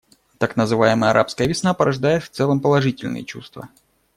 Так называемая «арабская весна» порождает в целом положительные чувства.